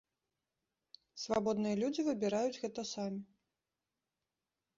Свабодныя людзі выбіраюць гэта самі.